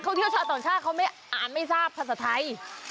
นักท่องเที่ยวชาติส่วนชาติเขาอ่านไม่ทราบภาษาไทย